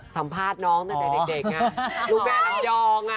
สัมภาษณ์น้องนั้นในเด็กน่ะ